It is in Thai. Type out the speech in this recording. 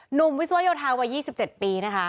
หนุ่มวิทยาลัยวิทยาลัยวัน๒๗ปีนะคะ